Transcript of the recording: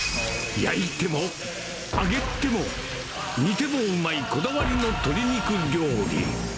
焼いても、揚げても、煮てもうまいこだわりの鶏肉料理。